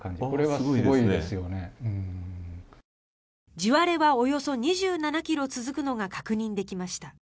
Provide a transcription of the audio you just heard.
地割れはおよそ２７ｋｍ続くのが確認できました。